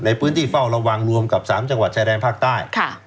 ในพื้นที่เฝ้าระวังรวมกับ๓จังหวัดชายแดนภาคใต้